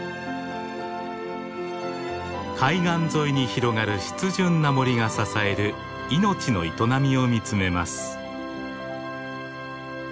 海岸沿いに広がる湿潤な森が支える命の営みを見つめます。